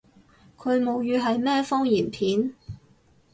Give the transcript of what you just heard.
佢母語係咩方言片？